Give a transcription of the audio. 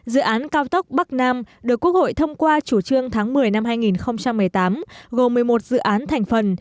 dự án cao tốc bắc nam được quốc hội thông qua chủ trương tháng một mươi năm hai nghìn một mươi tám gồm một mươi một dự án thành phần